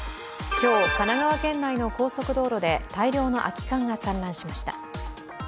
今日、神奈川県内の高速道路で大量の空き缶が散乱しました。